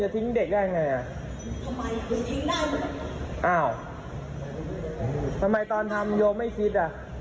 สังสารเจ็บ